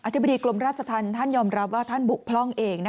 ธิบดีกรมราชธรรมท่านยอมรับว่าท่านบุกพร่องเอง